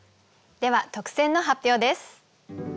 では特選の発表です。